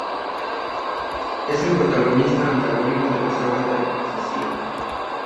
Es el protagonista antagónico de la saga La profecía.